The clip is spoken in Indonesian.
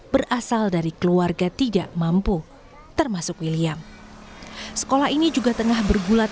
berasal dari keluarga tidak mampu termasuk william sekolah ini juga tengah bergulat